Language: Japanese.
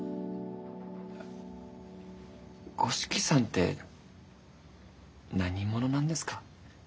五色さんって何者なんですか？